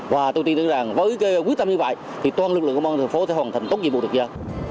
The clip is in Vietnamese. và tôi tin tưởng rằng với quyết tâm như vậy thì toàn lực lượng công an thành phố sẽ hoàn thành tốt nhiệm vụ được giao